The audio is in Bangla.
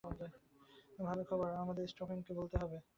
ভালো খবর, আমাদের স্টেফানকে বলতে হবে।